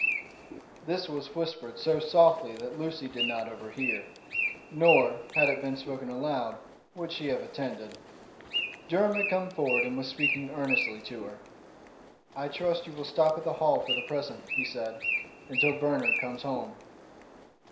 This was whispered so softly that Lucy did not overhear. Nor, had it been spoken aloud, would she have attended. Durham had come forward and was speaking earnestly to her. "I trust you will stop at the Hall for the present," he said, "until Bernard comes home."